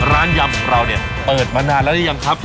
ร้านยำของเราเนี่ยเปิดมานานแล้วยังครับ